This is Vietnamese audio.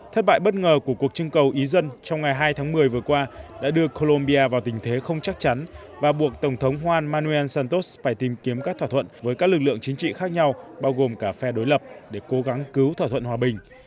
thất bại bất ngờ của cuộc trưng cầu ý dân trong ngày hai tháng một mươi vừa qua đã đưa colombia vào tình thế không chắc chắn và buộc tổng thống hoan nghênh santos phải tìm kiếm các thỏa thuận với các lực lượng chính trị khác nhau bao gồm cả phe đối lập để cố gắng cứu thỏa thuận hòa bình